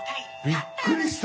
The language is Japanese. びっくりした！